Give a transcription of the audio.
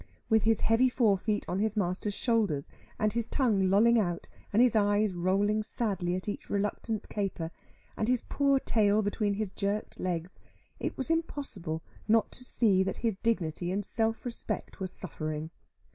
With his heavy fore feet on his master's shoulders, and his tongue lolling out, and his eyes rolling sadly at each reluctant caper, and his poor tail between his jerked legs, it was impossible not to see that his dignity and self respect were suffering.